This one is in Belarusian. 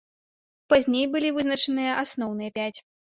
Пазней былі вызначаныя асноўныя пяць.